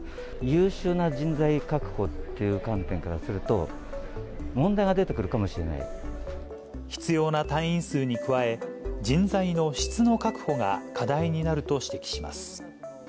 優秀な人材確保っていう観点からすると、問題が出てくるかもしれ必要な隊員数に加え、人材の質の確保が課題になると指摘します。